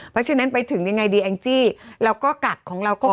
เพราะฉะนั้นไปถึงยังไงดีแองจี้เราก็กักของเราก่อน